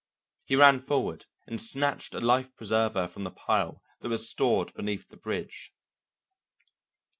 He ran forward and snatched a life preserver from the pile that was stored beneath the bridge.